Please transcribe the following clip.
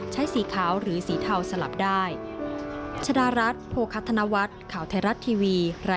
สีขาวหรือสีเทาสลับได้